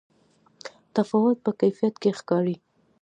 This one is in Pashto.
تفاوت په کیفیت کې ښکاري.